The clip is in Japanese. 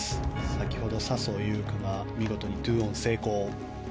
先ほど笹生優花が見事に２オン成功。